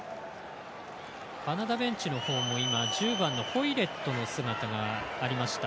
カナダベンチのほうも今、１０番のホイレットの姿がありました。